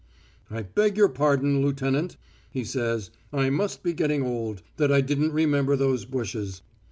"'I beg your pardon, lieutenant,' he says. 'I must be getting old, that I didn't remember those bushes.'